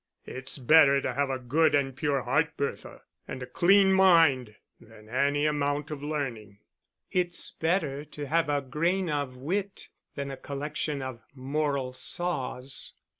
"It's better to have a good and pure heart, Bertha, and a clean mind, than any amount of learning." "It's better to have a grain of wit than a collection of moral saws."